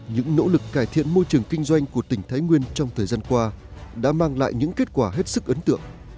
những nỗ lực cải thiện môi trường kinh doanh của tỉnh thái nguyên trong thời gian qua đã mang lại những kết quả hết sức ấn tượng